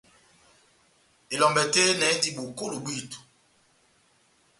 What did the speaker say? Elombɛ tɛ́h yehenɛ endi bokolo bwito.